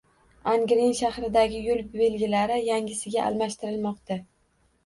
Angren shahridagi yoʻl belgilari yangisiga almashtirilmoqda.